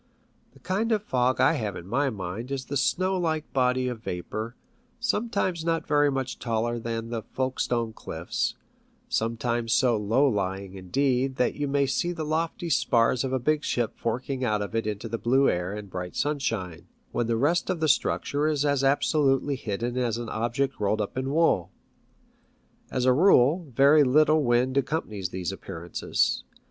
The kind of fog I have in my mind is the snow like body of vapour, sometimes not very much taller than the Folke stone cliffs, sometimes so low lying, indeed, that you may see the lofty spars of a big ship forking out of it into the blue air and bright sunshine, when the rest of the structure is as absolutely hidden as an object rolled up in wool. As a rule, very little wind accompanies these appearances.